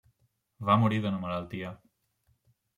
Va morir d'una malaltia.